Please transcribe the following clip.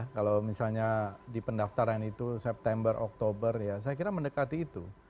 kalau misalnya di pendaftaran itu september oktober ya saya kira mendekati itu